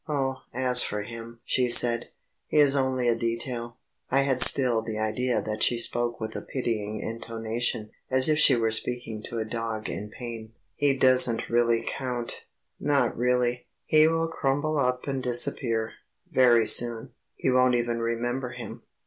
"Oh, as for him," she said, "he is only a detail." I had still the idea that she spoke with a pitying intonation as if she were speaking to a dog in pain. "He doesn't really count; not really. He will crumble up and disappear, very soon. You won't even remember him."